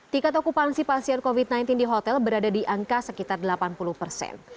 tiket okupansi pasien covid sembilan belas di hotel berada di angka sekitar delapan puluh persen